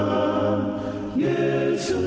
yesus mau datang sedang